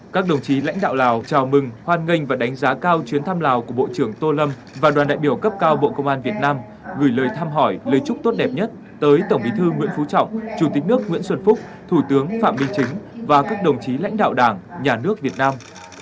các đồng chí lãnh đạo lào chào mừng hoan nghênh và đánh giá cao chuyến thăm lào của bộ trưởng tô lâm và đoàn đại biểu cấp cao bộ công an việt nam gửi lời thăm hỏi lời chúc tốt đẹp nhất tới tổng bí thư nguyễn phú trọng chủ tịch nước nguyễn xuân phúc thủ tướng phạm minh chính và các đồng chí lãnh đạo đảng nhà nước việt nam